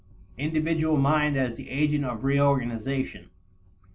Individual Mind as the Agent of Reorganization.